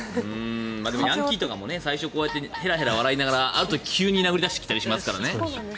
でもヤンキーとかも最初こうやってへらへらしながらあと急に殴りかかってきますからね。